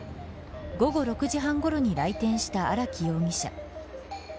午後６時半ごろに来店した荒木容疑者。